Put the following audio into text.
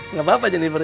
nggak apa apa jennifer ya